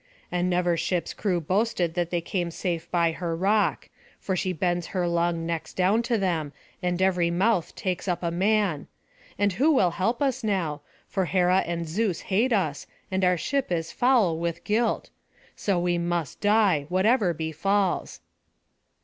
And never ship's crew boasted that they came safe by her rock; for she bends her long necks down to them, and every mouth takes up a man And who will help us now? For Hera and Zeus hate us, and our ship is foul with guilt; so we must die, whatever befalls."